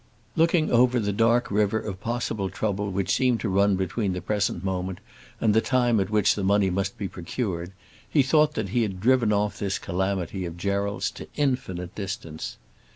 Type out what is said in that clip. Looking over the dark river of possible trouble which seemed to run between the present moment and the time at which the money must be procured, he thought that he had driven off this calamity of Gerald's to infinite distance.